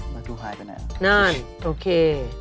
ปลาทูหายไปไหนแล้วโอเคนั่นโอเค